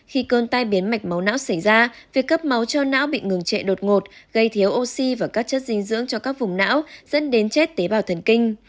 khi cơn tai biến mạch máu não xảy ra việc cấp máu cho não bị ngừng trệ đột ngột gây thiếu oxy và các chất dinh dưỡng cho các vùng não dẫn đến chết tế bào thần kinh